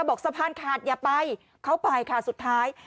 บอกสะพานขาดอย่าไปเข้าไปค่ะสุดท้าย